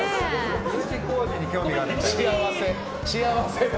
Ｕ字工事に興味があるんだな。